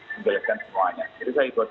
menjelaskan semuanya jadi saya ikut